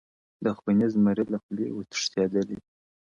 د خوني زمري له خولې وو تښتېدلی -